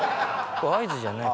ああ合図じゃない。